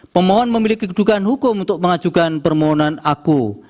pemohon memiliki kedugaan hukum untuk mengajukan permohonan aku